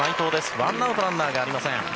ワンアウトランナーがありません。